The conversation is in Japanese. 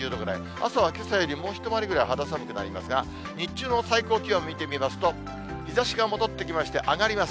朝はけさよりもう一回りくらい、肌寒くなりますが、日中の最高気温見てみますと、日ざしが戻ってきまして、上がります。